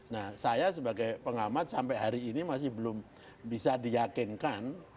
nah saya sebagai pengamat sampai hari ini masih belum bisa diyakinkan